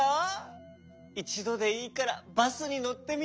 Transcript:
いちどでいいからバスにのってみたいんだ。